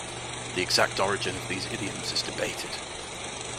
The exact origin of these idioms is debated.